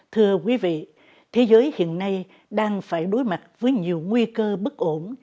thưa quý vị thế giới hiện nay đang phải đối mặt với nhiều nguy cơ bất ổn